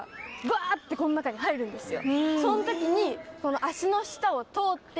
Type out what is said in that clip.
その時に。